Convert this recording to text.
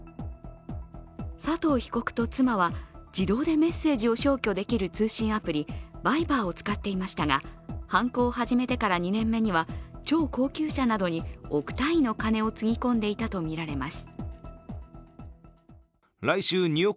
佐藤被告と妻は自動でメッセージを消去できる通信アプリ、Ｖｉｂｅｒを使っていましたが犯行を始めてから２年目には、超高級車などに億単位の金をつぎ込んでいたとみられます。